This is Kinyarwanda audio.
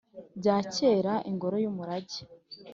bya kera Ingoro y Umurage